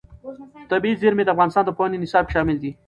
طبیعي زیرمې د افغانستان د پوهنې نصاب کې شامل دي.